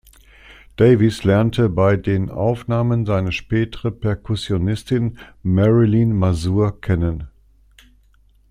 Davis lernte bei den Aufnahmen seine spätere Perkussionistin Marilyn Mazur kennen.